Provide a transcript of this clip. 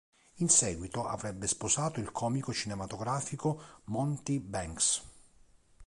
In seguito avrebbe sposato il comico cinematografico Monty Banks.